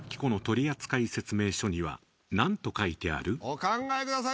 お考えください。